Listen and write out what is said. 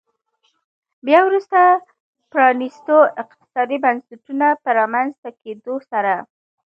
بیا وروسته پرانیستو اقتصادي بنسټونو په رامنځته کېدو سره.